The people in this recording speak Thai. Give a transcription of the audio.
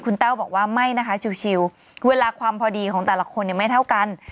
คุณแต้วบอกว่าไม่นะคะชิวเวลาความพอดีของแต่ละคนไม่เท่ากัน